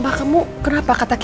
makasih ya pak ya